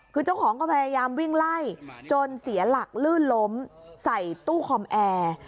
คือเจ้าของก็พยายามวิ่งไล่จนเสียหลักลื่นล้มใส่ตู้คอมแอร์